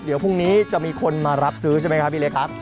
เดี๋ยวพรุ่งนี้จะมีคนมารับซื้อใช่ไหมครับพี่เล็กครับ